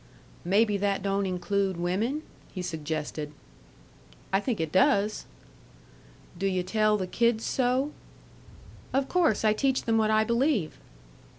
"Maybe that don't include women?" he suggested. "I think it does." "Do yu' tell the kids so?" "Of course I teach them what I believe!"